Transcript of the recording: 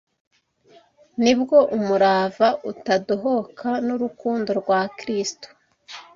nibwo umurava utadohoka n’urukundo rwa Kristo